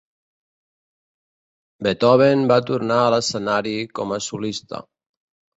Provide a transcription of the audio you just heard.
Beethoven va tornar a l'escenari com a solista.